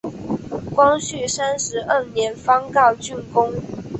光绪三十二年方告竣工。